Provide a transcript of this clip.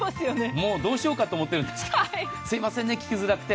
もうどうしようかと思ってるんですけどすいませんね、聞きづらくて。